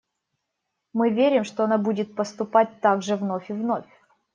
Мы верим, что она будет поступать так же вновь и вновь.